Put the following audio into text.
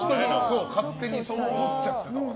勝手にそう思っちゃってたわ。